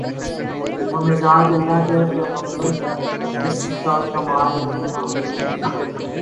وہ مزاج‘ اللہ کے پیغمبر جس کا کامل نمونہ ہوتے ہیں۔